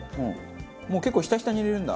もう結構ヒタヒタに入れるんだ。